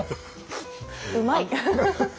うまい！